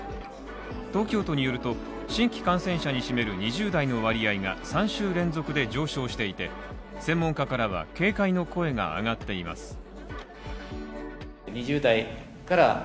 東京都によると、新規感染者に占める２０代の割合が３週連続で上昇していて専門家からは警戒の声が上がっています。